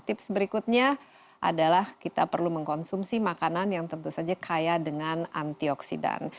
tips berikutnya adalah kita perlu mengkonsumsi makanan yang tentu saja kaya dengan antioksidan